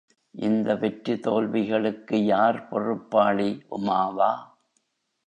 இந்த வெற்றிதோல்விகளுக்கு யார் பொறுப்பாளி உமாவா?